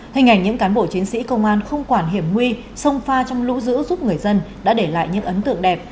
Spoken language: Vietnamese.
hình ảnh những cán bộ chiến sĩ công an không quản hiểm nguy sông pha trong lũ dữ giúp người dân đã để lại những ấn tượng đẹp